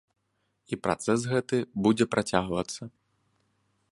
І працэс гэты будзе працягвацца.